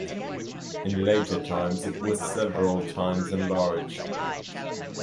In later times it was several times enlarged.